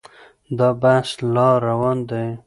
دا بحث لا روان دی.